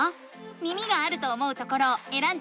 耳があると思うところをえらんでみて。